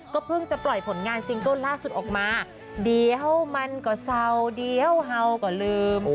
เพิ่งจะปล่อยผลงานซิงเกิ้ลล่าสุดออกมาเดี๋ยวมันก็เศร้าเดียวเฮาก็ลืม